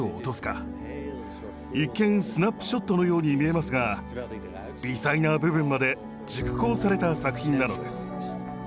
一見スナップショットのように見えますが微細な部分まで熟考された作品なのです。